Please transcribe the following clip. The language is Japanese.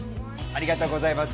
ありがとうございます。